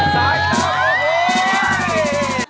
ซ้ายจับโอ้โฮ